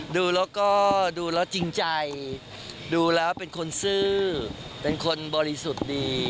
ดูแล้วก็ดูแล้วจริงใจดูแล้วเป็นคนซื่อเป็นคนบริสุทธิ์ดี